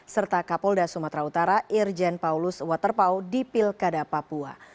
serta kapolda sumatera utara irjen paulus waterpau di pilkada papua